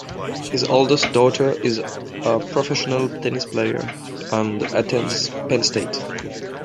His oldest daughter is a professional tennis player and attends Penn State.